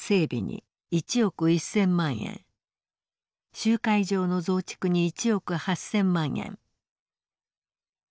集会場の増築に１億８，０００万円。